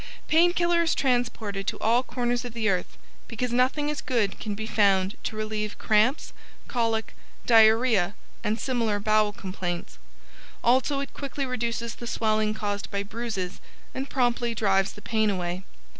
] Painkiller is transported to all corners of the earth because nothing as good can be found to relieve Cramps, Colic, Diarrhoea and similar bowel complaints; also it quickly reduces the swelling caused by bruises and promptly drives the pain away.